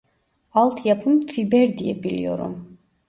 Alt yapım fiber diye biliyorum